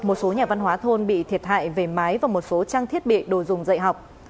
một số nhà văn hóa thôn bị thiệt hại về mái và một số trang thiết bị đồ dùng dạy học